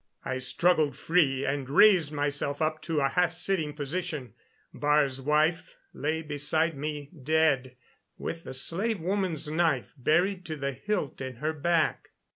I struggled free and raised myself up to a half sitting position. Baar's wife lay beside me dead, with the slave woman's knife buried to the hilt in her back.